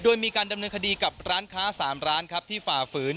โดยมีการดำเนินคดีกับร้านค้า๓ร้านครับที่ฝ่าฝืน